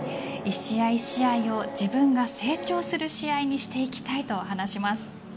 １試合１試合を自分が成長する試合にしていきたいと話します。